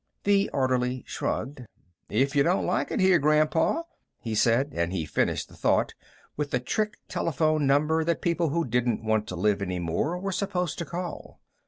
The orderly shrugged. "If you don't like it here, Grandpa " he said, and he finished the thought with the trick telephone number that people who didn't want to live any more were supposed to call.